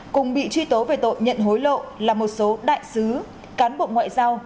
cùng bị truy tố về tội nhận hối lộ là một số đại sứ cán bộ ngoại giao